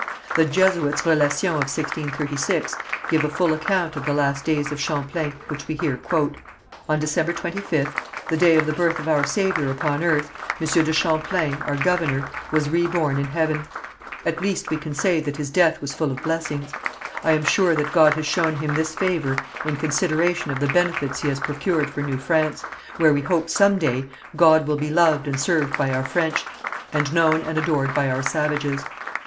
The Jesuits' Relations of 1636 give a full account of the last days of Champlain, which we here quote: "On December 25th, the day of the birth of our Saviour upon earth, Monsieur de Champlain, our governor, was reborn in Heaven; at least we can say that his death was full of blessings. I am sure that God has shown him this favour in consideration of the benefits he has procured for New France, where we hope some day God will be loved and served by our French, and known and adored by our savages.